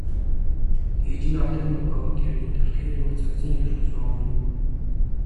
Գեյջին արդեն նոկաուտի էր ենթարկել իր մրցակցին երկրորդ ռաունդում։